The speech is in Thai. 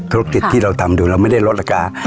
ธุรกิจที่เราทำอยู่เราไม่ได้ลดราคา